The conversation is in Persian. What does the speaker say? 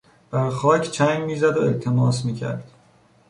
بر خاک چنگ میزد و التماس میکرد.